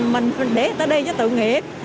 mình để người ta đi cho tự nghiệp